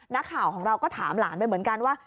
นักข่าวของเราก็ถามหลานไปเหมือนกันว่า